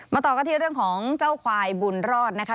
ต่อกันที่เรื่องของเจ้าควายบุญรอดนะคะ